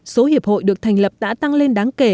số hiệp hội được thành lập đã tăng lên đáng kể